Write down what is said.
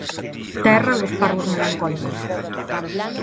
Terra dos parvos melancólicos.